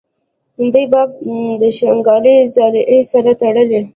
دې باب کې دَشانګلې ضلعې سره تړلي